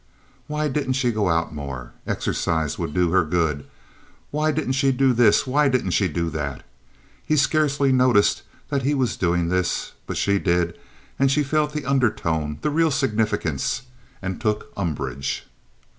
Why didn't she go out more? Exercise would do her good. Why didn't she do this, and why didn't she do that? He scarcely noticed that he was doing this; but she did, and she felt the undertone—the real significance—and took umbrage.